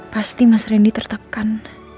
pasti mas rendy tertekan